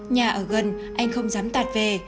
nhà ở gần anh không dám tạt về